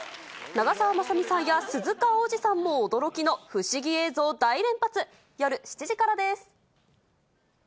長澤まさみさんや、鈴鹿央士さんも驚きの不思議映像大連発。